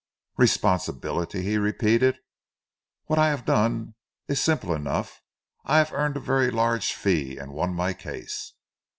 "Responsibility?" he repeated. "What I have done is simple enough. I have earned a very large fee and won my case."